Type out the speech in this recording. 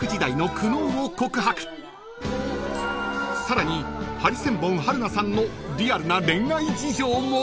［さらにハリセンボン春菜さんのリアルな恋愛事情も］